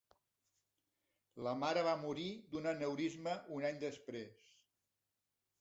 La seva mare va morir d'un aneurisma un any després.